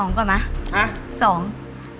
แล้วแต่หนู